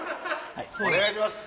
お願いします。